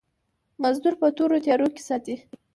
مزدور په تورو تيارو کې ساتي.